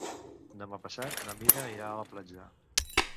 Demà passat na Mira irà a la platja.